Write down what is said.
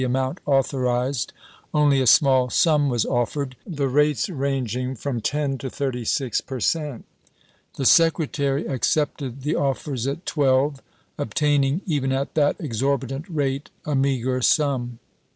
amount authorized, only a small sum was offered, the rates ranging from ten to thirty six per cent. The Secretary accepted the offers at twelve, obtain ing, even at that exorbitant rate, a meager sum.